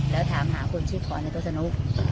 แล้วถามหาคนชื่นของในตัวสนุก